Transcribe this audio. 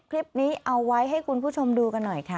คลิปนี้เอาไว้ให้คุณผู้ชมดูกันหน่อยค่ะ